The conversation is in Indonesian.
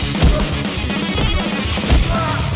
ini yang kita